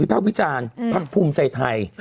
ภาควิจารณ์พักภูมิใจไทย